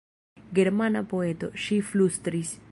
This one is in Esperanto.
Germana poeto, ŝi flustris.